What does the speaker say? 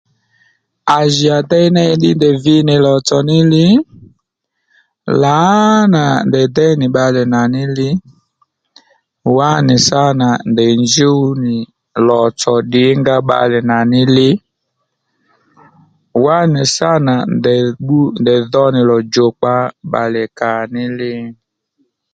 À jì à déy ney ddí ndèy vi nì lò tsò ní li lǎnà ndèy déy nì bbalè nà ní li wá nì sǎ nà ndèy njúw nì lò tsò ddìnga bbalè nà ní li wá nì sǎ nà ndèy bbú ndèy dho nì lò djokpa bbalè kà ní li